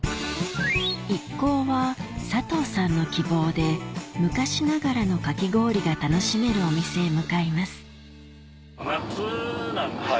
一行は佐藤さんの希望で昔ながらのかき氷が楽しめるお店へ向かいます